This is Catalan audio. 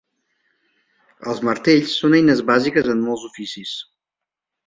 Els martells són eines bàsiques en molts oficis.